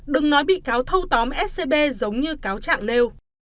đừng nói bị cáo thâu tóm scb giống như cáo trạng nêu